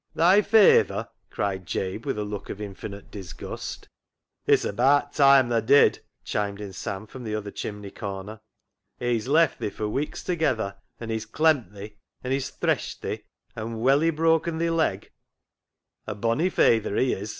" Thy fayther !" cried Jabe, with a look of infinite disgust. " It's abaat toime tha did," chimed in Sam from the other chimney corner. " He's left thi fur wiks togather, and he's clemm't thi, and he's threshed thi, and welly [nearly] broken thi leg. A bonny fayther he is